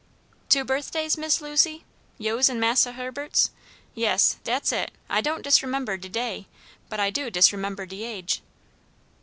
"Two birthdays, Miss Lucy? yo's and Massa Herbert's? Yes, dat's it; I don't disremember de day, but I do disremember de age."